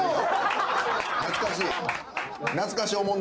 懐かしい。